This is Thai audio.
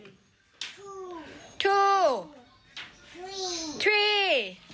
คุณครูพูด